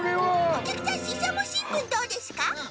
おきゃくさんししゃもしんぶんどうですか？